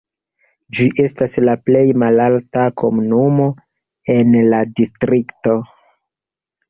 Ĝi estas la plej malalta komunumo en la distrikto.